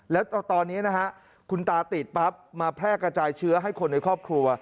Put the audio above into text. แล้วตอนนี้นะฮะคุณตาติดปั๊บมาแพร่กระจายเชื้อให้คนในครอบครัว